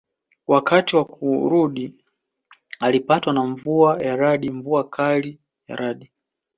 Wakati wa kurudi alipatwa na mvua ya radi mvua kali ya radi